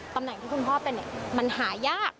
ตำแหน่งที่คุณพ่อเป็นมันหายาก